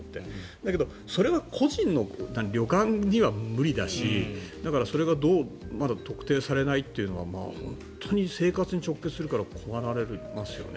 だけど、それは個人の旅館には無理だしそれが特定されないっていうのは本当に生活に直結するから困りますよね。